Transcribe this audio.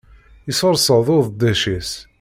Yessurseḍ udeddic-is.